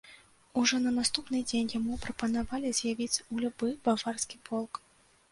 Ужо на наступны дзень яму прапанавалі з'явіцца ў любы баварскі полк.